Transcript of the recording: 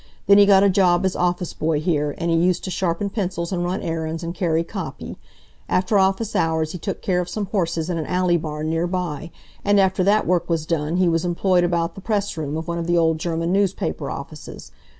Then he got a job as office boy here, and he used to sharpen pencils, and run errands, and carry copy. After office hours he took care of some horses in an alley barn near by, and after that work was done he was employed about the pressroom of one of the old German newspaper offices.